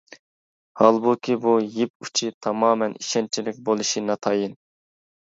ھالبۇكى، بۇ «يىپ ئۇچى» تامامەن ئىشەنچلىك بولۇشى ناتايىن.